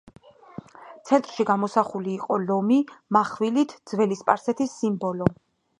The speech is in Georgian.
ცენტრში გამოსახული იყო ლომი მახვილით, ძველი სპარსეთის სიმბოლო.